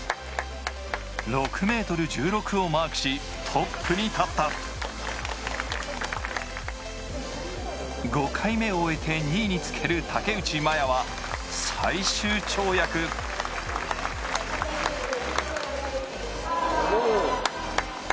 ６ｍ１６をマークしトップに立った５回目を終えて２位につける竹内真弥は最終跳躍・おおっ！